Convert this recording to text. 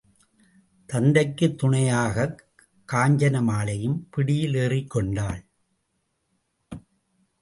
தத்தைக்குத் துணையாகக் காஞ்சன மாலையும் பிடியில் ஏறிக்கொண்டாள்.